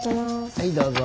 はいどうぞ。